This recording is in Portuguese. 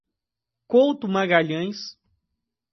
Couto Magalhães